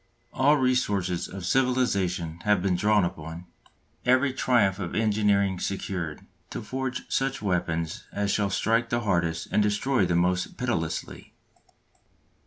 All resources of civilisation have been drawn upon, every triumph of engineering secured, to forge such weapons as shall strike the hardest and destroy the most pitilessly.